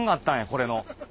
これの。